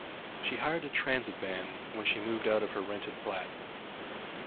She hired a transit van when she moved out of her rented flat